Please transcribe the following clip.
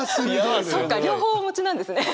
そっか両方お持ちなんですね。